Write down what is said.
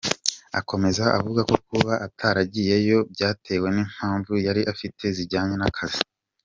Akomeza avuga ko kuba ataragiyeyeo byatewe n’impamvu yari afite zijyanye n’akazi.